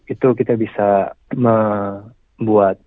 itu kita bisa membuat